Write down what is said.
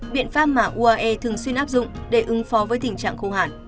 biện pháp mà uae thường xuyên áp dụng để ứng phó với tình trạng khô hạn